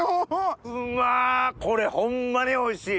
うわこれホンマにおいしい。